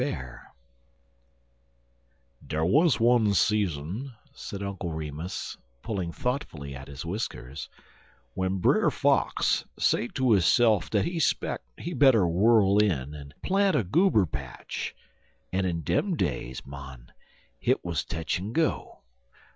BEAR "DAR wuz one season" said Uncle Remus, pulling thoughtfully at his whiskers, "w'en Brer Fox say to hisse'f dat he speck he better whirl in en plant a goober patch, en in dem days, mon, hit wuz tech en go.